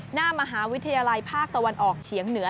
หน้ามหาวิทยาลัยภาคตะวันออกเฉียงเหนือ